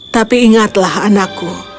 tapi ingatlah anakku